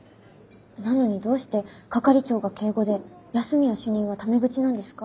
なのにどうして係長が敬語で安洛主任はタメ口なんですか？